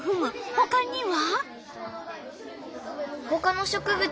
ほかには？